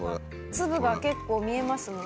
粒が結構見えますもんね。